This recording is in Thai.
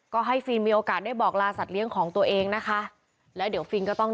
ก็ให้ฟิล์มมีโอกาสได้บอกลาสัตเลี้ยงของตัวเองนะคะแล้วเดี๋ยวฟิล์มก็ต้อง